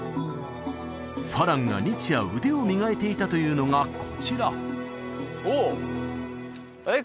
花郎が日夜腕を磨いていたというのがこちらおおっ！